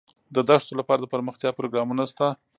د دښتو لپاره دپرمختیا پروګرامونه شته.